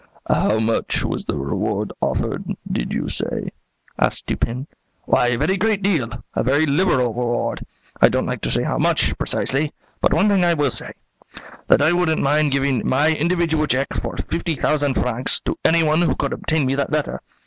"How much was the reward offered, did you say?" asked Dupin. "Why, a very great deal, a very liberal reward; I don't like to say how much, precisely; but one thing I will say, that I wouldn't mind giving my individual check for fifty thousand francs to anyone who could obtain me that letter.